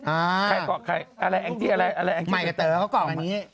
อ่าใครเกาะใครอะไรอะไรอะไรไม่กับเต๋เขาก็เกาะมานี้